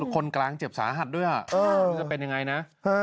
คนกลางเจ็บสาหัสด้วยไม่รู้จะเป็นยังไงนะ